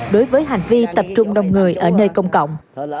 đối với hành vi tập trung đông người ở nơi công cộng